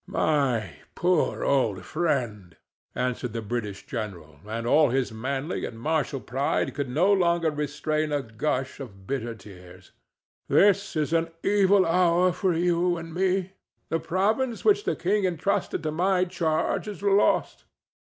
"My poor old friend!" answered the British general, and all his manly and martial pride could no longer restrain a gush of bitter tears. "This is an evil hour for you and me. The province which the king entrusted to my charge is lost.